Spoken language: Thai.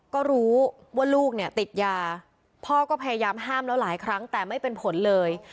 ก็รู้ว่าลูกเนี่ยติดยาพ่อก็พยายามห้ามแล้วหลายครั้งแต่ไม่เป็นผลเลย